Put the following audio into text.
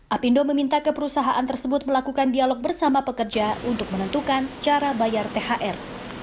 apindo meminta ke perusahaan tersebut melakukan dialog bersama pekerja untuk menentukan cara bayar thr